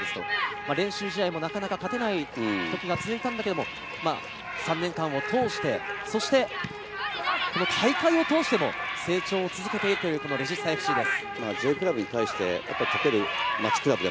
練習試合もなかなか勝てない時が続いたけど、３年間を通して、この大会を通しても成長を続けているというレジスタＦＣです。